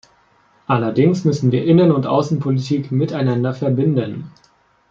Allerdings müssen wir Innen- und Außenpolitik miteinander verbinden.